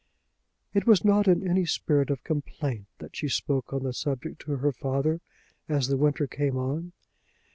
It was not in any spirit of complaint that she spoke on the subject to her father as the winter came on.